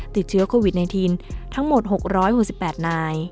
ติดเชื้อโควิด๑๙ทั้งหมด๖๖๘นาย